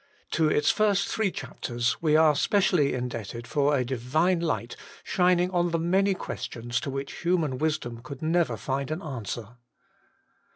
To its first three chapters we are specially in debted for a Divine light shining on the many questions to which human wisdom never could find an answer.